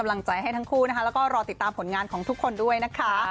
แล้วหนูก็ไม่อยากเล่นแบบนี้